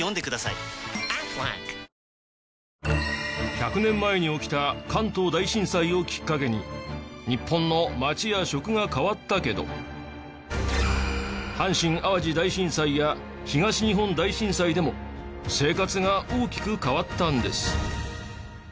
１００年前に起きた関東大震災をきっかけに日本の街や食が変わったけど阪神・淡路大震災や東日本大震災でも生活が大きく変わったんです。